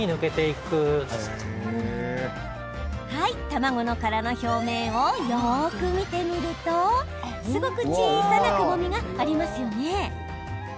卵の殻の表面をよく見てみるとすごく小さなくぼみがありますよね。